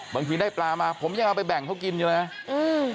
บางทีได้ปลามาผมยังเอาไปแบ่งเขากินอยู่เลยนะอืม